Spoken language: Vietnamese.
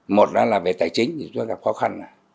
một là về tài chính rất là khó khăn